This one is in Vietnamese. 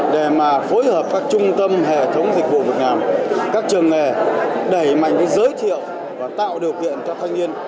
để mà phối hợp các trung tâm hệ thống dịch vụ việc làm các trường nghề đẩy mạnh giới thiệu và tạo điều kiện cho thanh niên